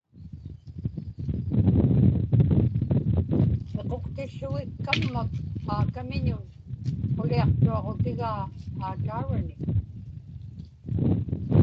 Miquqtiłługik kammak Aakamiñun quliaqtuaġutigaa aataurani.